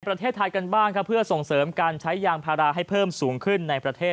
ประเทศไทยกันบ้างครับเพื่อส่งเสริมการใช้ยางพาราให้เพิ่มสูงขึ้นในประเทศ